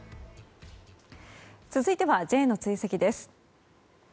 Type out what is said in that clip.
続いてはＪの追跡です。